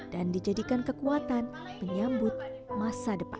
dan dijadikan kekuatan menyambut masa depan